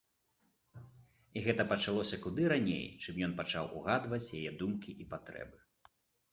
І гэта пачалося куды раней, чым ён пачаў угадваць яе думкі і патрэбы.